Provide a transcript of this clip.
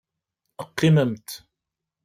Qqimemt.